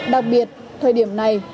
đặc biệt thời điểm này